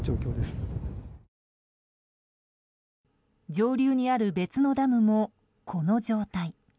上流にある別のダムもこの状態。